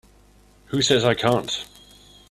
Who says I can't?